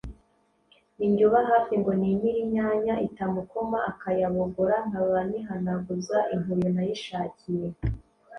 ni nge uba hafi ngo nimire inyanya itamukoma akayabogora, nkaba nyihanaguza inkuyo nayishakiye